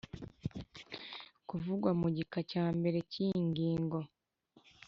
Kuvugwa mu gika cya mbere cy iyi ngingo